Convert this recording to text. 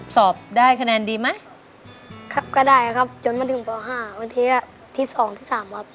สอบได้คะแนนดีไหมครับก็ได้ครับจนมาถึงป๕วันที่สองที่สามครับ